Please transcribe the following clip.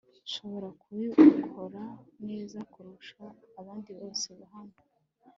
nshobora kubikora neza kurusha abandi bose hano